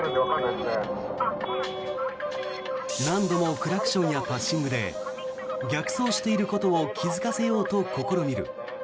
何度もクラクションやパッシングで逆走していることを気付かせようと試みる。